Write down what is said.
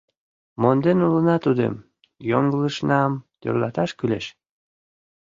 Монден улына тудым, йоҥылышнам тӧрлаташ кӱлеш...